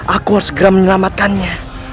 aku harus segera menyelamatkannya